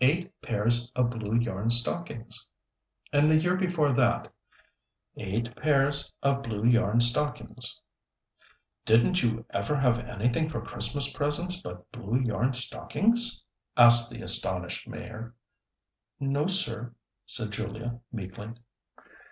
"Eight pairs of blue yarn stockings." "And the year before that?" "Eight pairs of blue yarn stockings." "Didn't you ever have anything for Christmas presents but blue yarn stockings?" asked the astonished Mayor. "No, sir," said Julia meekly.